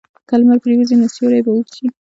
که لمر پرېوځي، نو سیوری به اوږد شي.